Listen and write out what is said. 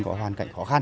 có hoàn cảnh khó khăn